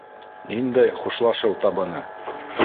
Ниндәй «хушлашыу» табыны?